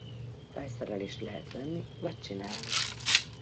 Felszerelést lehet venni vagy csinálni.